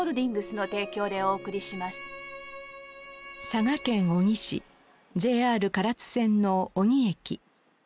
佐賀県小城市ＪＲ唐津線の小城駅。